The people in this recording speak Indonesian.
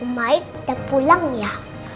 om baik udah pulang ya